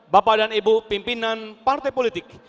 bapak dan ibu pimpinan partai politik